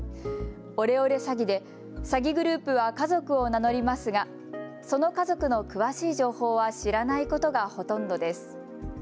オレオレ詐欺で詐欺グループは家族を名乗りますがその家族の詳しい情報は知らないことがほとんどです。